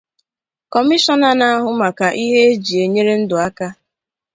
Kọmishọna na-ahụ maka ihe e ji enyere ndụ aka